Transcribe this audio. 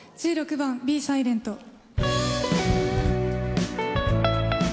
１６番「美・サイレント」。